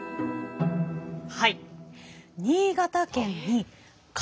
はい。